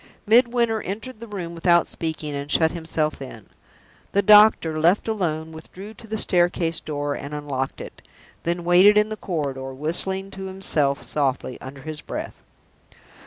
Midwinter entered the room without speaking, and shut himself in. The doctor, left alone, withdrew to the staircase door and unlocked it, then waited in the corridor, whistling to himself softly, under his breath.